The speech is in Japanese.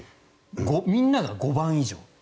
みんなが５番以上。